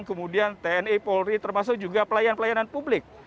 kemudian tni polri termasuk juga pelayanan pelayanan publik